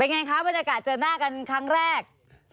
เป็นยังไงครับบรรยากาศเจอหน้ากันครั้งแรก